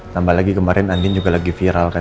tambah lagi kemarin andin juga lagi viral kan